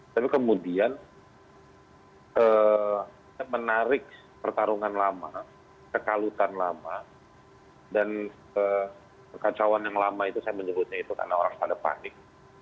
tapi kemudian menarik pertarungan lama kekalutan lama dan kekacauan yang lama itu saya menyebutnya itu karena orang pada panik